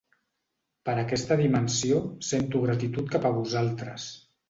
Per aquesta dimensió sento gratitud cap a vosaltres.